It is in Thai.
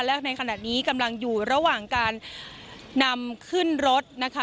และในขณะนี้กำลังอยู่ระหว่างการนำขึ้นรถนะคะ